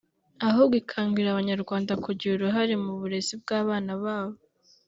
ahubwo ikangurira Abanyarwanda kugira uruhare mu burezi bw’abana babo